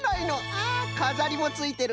あかざりもついてる。